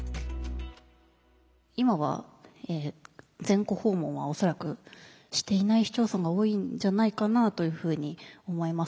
今は全戸訪問は恐らくしていない市町村が多いんじゃないかなというふうに思います。